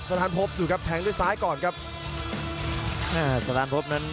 สตานท์ภพตักแทงด้วยซ้ายก่อนครับ